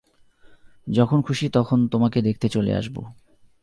যখন খুশি তখন তোমাকে দেখতে চলে আসবো।